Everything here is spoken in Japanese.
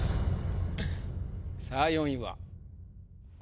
さぁ４位は？